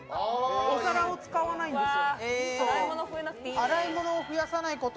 お皿を使わないんですよ。